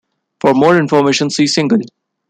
For more information, see single.